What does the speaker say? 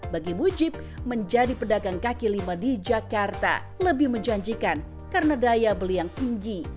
bagi mujib menjadi pedagang kaki lima di jakarta lebih menjanjikan karena daya beli yang tinggi